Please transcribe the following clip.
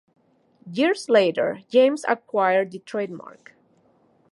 Years later, James acquired the trademark.